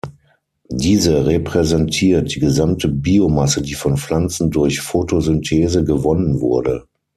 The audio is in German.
Diese repräsentiert die gesamte Biomasse, die von Pflanzen durch Photosynthese gewonnen wurde.